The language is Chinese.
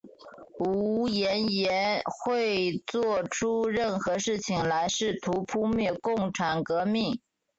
吴廷琰会作出任何事情来试图扑灭共产革命。